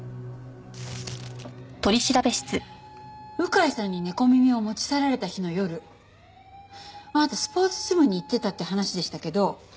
鵜飼さんに猫耳を持ち去られた日の夜あなたスポーツジムに行ってたって話でしたけど。